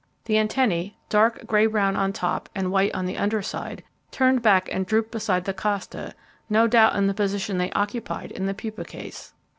The antennae, dark, grey brown on top, and white on the under side, turned back and drooped beside the costa, no doubt in the position they occupied in the pupa case.